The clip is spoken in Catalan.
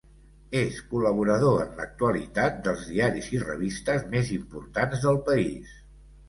És col·laborador en l'actualitat dels diaris i revistes més importants del país.